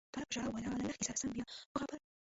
طالب په ژړا وویل هغه له لښتې سره سم بیا وغپل.